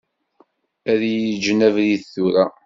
Ad yi-ğğen abrid tura.